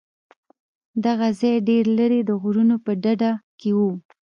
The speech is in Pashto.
دغه ځاى ډېر لرې د غرونو په ډډه کښې و.